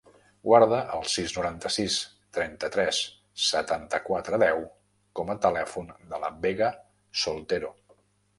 Guarda el sis, noranta-sis, trenta-tres, setanta-quatre, deu com a telèfon de la Vega Soltero.